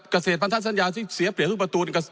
เกษตรพันธสัญญาที่เสียเปรียบรูปประตู